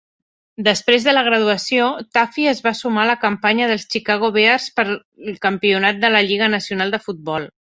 Després de la graduació, Tuffy es va sumar a la campanya dels Chicago Bears pel campionat de la lliga nacional de futbol.